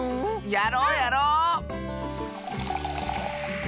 やろうやろう！